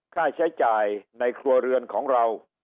ค่าใช้จ่ายในครัวเรือนของเรา